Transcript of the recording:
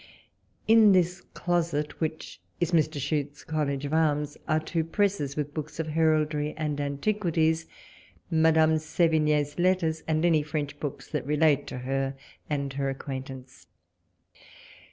In this closet, which is Mr. Chute's college of Arms, are two presses WALPOLE S LETTERS. G5 with books of heraldry and antiquities, Madame Sevigne's Letters, and any French books that relate to her and her acquaintance.